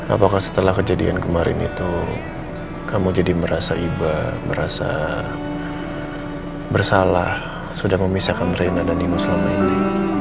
apakah setelah kejadian kemarin itu kamu jadi merasa iba merasa bersalah sudah memisahkan reina dan ibu selama ini